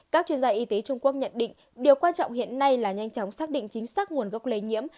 các chuyên gia y tế trung quốc nhận định điều quan trọng hiện nay là nhanh chóng xác định chính xác nguồn gốc lây nhiễm